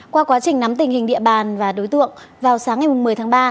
qua quá trình nắm tình hình địa bàn và đối tượng vào sáng ngày một mươi tháng ba